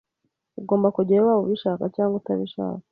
Ugomba kujyayo waba ubishaka cyangwa utabishaka.